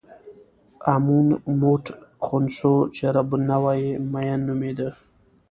امون موټ خونسو چې رب النوع یې مېن نومېده.